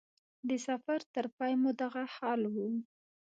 د سفر تر پای مو دغه حال و.